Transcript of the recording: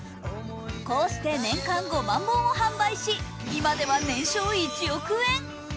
こうして年間５万本を販売し、今では年商１億円！